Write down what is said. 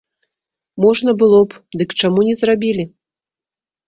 Можна было б, дык чаму не зрабілі?